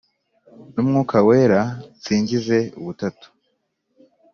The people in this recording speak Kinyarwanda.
n'umwuka wera , nsingize ubutatu.